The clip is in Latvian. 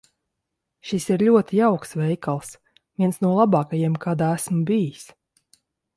Šis ir ļoti jauks veikals. Viens no labākajiem, kādā esmu bijis.